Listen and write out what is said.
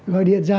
gọi điện ra